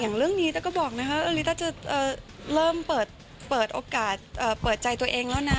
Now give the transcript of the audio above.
เรื่องนี้ต้าก็บอกนะคะลิต้าจะเริ่มเปิดโอกาสเปิดใจตัวเองแล้วนะ